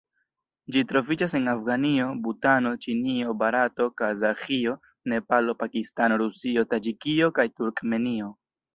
Ĝi troviĝas en Afganio, Butano, Ĉinio, Barato, Kazaĥio, Nepalo, Pakistano, Rusio, Taĝikio kaj Turkmenio.